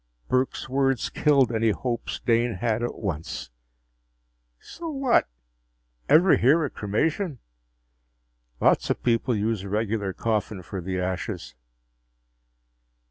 Burke's words killed any hopes Dane had at once. "So what? Ever hear of cremation? Lots of people use a regular coffin for the ashes."